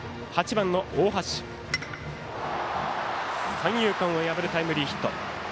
８番の大橋、三遊間を破りタイムリーヒット。